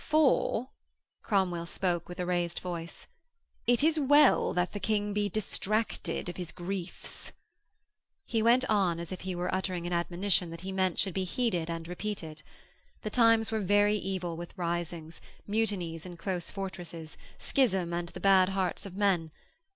'For,' Cromwell spoke with a raised voice, 'it is well that the King be distracted of his griefs.' He went on as if he were uttering an admonition that he meant should be heeded and repeated. The times were very evil with risings, mutinies in close fortresses, schism, and the bad hearts of men.